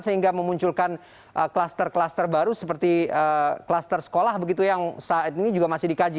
sehingga memunculkan kluster kluster baru seperti kluster sekolah begitu yang saat ini juga masih dikaji